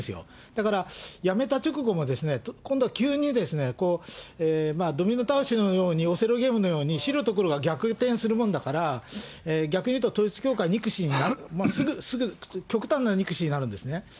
だからやめた直後も、今度は急に、ドミノ倒しのように、オセロゲームのように、白と黒が逆転するもんだから、逆にいうと、統一教会憎しに、極端な憎しになるんですね。